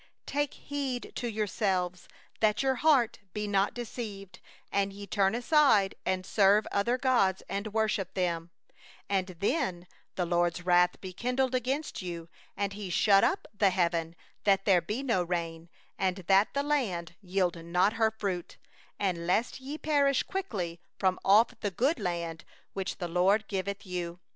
16Take heed to yourselves, lest your heart be deceived, and ye turn aside, and serve other gods, and worship them; 17and the anger of the LORD be kindled against you, and He shut up the heaven, so that there shall be no rain, and the ground shall not yield her fruit; and ye perish quickly from off the good land which the LORD giveth you.